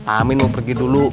amin mau pergi dulu